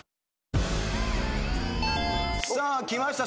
さあきました。